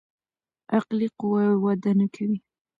عقلي قوه يې وده نکوي.